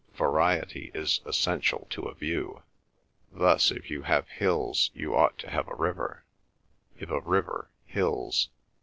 Variety is essential to a view. Thus, if you have hills you ought to have a river; if a river, hills.